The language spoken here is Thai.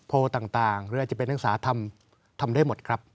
โพลต่างหรืออาจจะเป็นอังสารธรรมทำได้หมดครับ